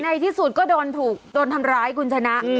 ในที่สุดก็โดนถูกโดนทำร้ายคุณชนะ